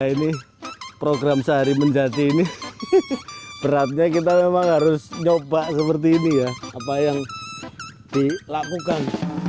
ini program sehari menjadi ini beratnya kita memang harus nyoba seperti ini ya apa yang dilakukan